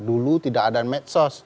dulu tidak ada medsos